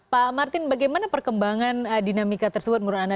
pak martin bagaimana perkembangan dinamika tersebut menurut anda